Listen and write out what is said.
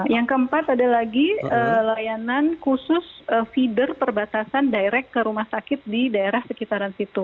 yang keempat ada lagi layanan khusus feeder perbatasan direct ke rumah sakit di daerah sekitaran situ